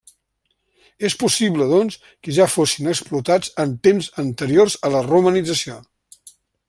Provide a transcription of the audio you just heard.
És possible, doncs, que ja fossin explotats en temps anteriors a la romanització.